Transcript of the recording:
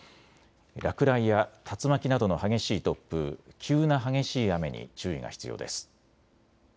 落雷や竜巻などの激しい突風、急な激しい雨に注意が必要です。